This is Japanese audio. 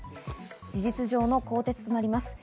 事実上の更迭となります。